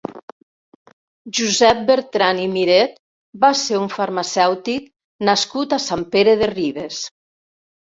Josep Bertran i Miret va ser un farmacèutic nascut a Sant Pere de Ribes.